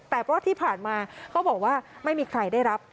แต่เพราะที่ผ่านมาเขาบอกว่าไม่มีใครได้รับ